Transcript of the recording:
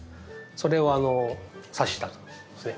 それをさしたんですね。